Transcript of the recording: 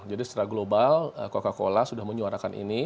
jadi secara global coca cola sudah menyuarakan ini